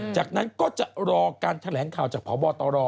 จากนั้นก็จะรอการแถลงข่าวจากพบตร